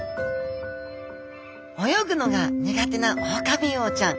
泳ぐのが苦手なオオカミウオちゃん。